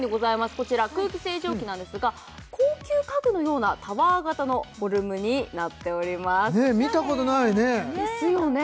こちら空気清浄機なんですが高級家具のようなタワー型のフォルムになっておりますねえ